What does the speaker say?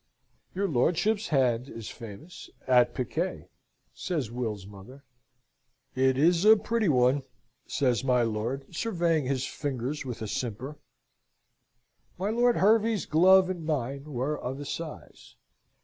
"Your lordship's hand is famous at piquet," says Will's mother. "It is a pretty one," says my lord, surveying his fingers, with a simper. "My Lord Hervey's glove and mine were of a size.